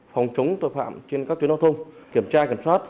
phòng chống tội phạm trên các tuyến giao thông kiểm tra kiểm soát